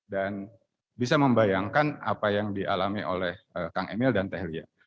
dan bisa membayangkan apa yang dialami oleh kang emil dan tehlia